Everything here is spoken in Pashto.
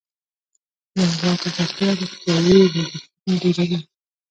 د هوا ککړتیا روغتیايي لګښتونه ډیروي؟